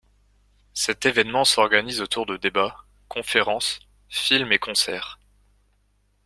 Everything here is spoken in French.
Cet événement s’organise autour de débats, conférences, films et concerts.